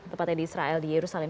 tempatnya di israel di jerusalem